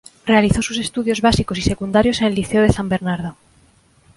Realizó sus estudios básicos y secundarios en el Liceo de San Bernardo.